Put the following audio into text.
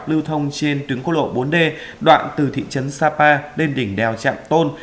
lưu thông trên tuyến quốc lộ bốn d đoạn từ thị trấn sapa lên đỉnh đèo trạm tôn